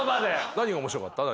何が面白かった？